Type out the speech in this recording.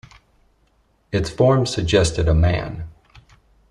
Its form suggested a man.